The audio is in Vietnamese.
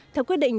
theo quyết định